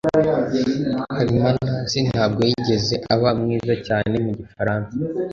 Habimanaasi ntabwo yigeze aba mwiza cyane mu gifaransa.